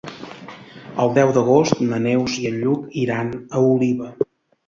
El deu d'agost na Neus i en Lluc iran a Oliva.